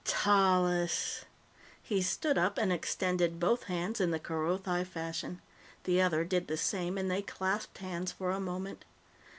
"Tallis!" He stood up and extended both hands in the Kerothi fashion. The other did the same, and they clasped hands for a moment.